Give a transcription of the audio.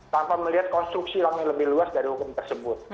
tanpa melihat konstruksi yang lebih luas dari hukum tersebut